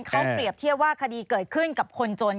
เขาเปรียบเทียบว่าคดีเกิดขึ้นกับคนจน